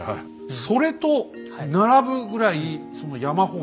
それと並ぶぐらいその「山法師」。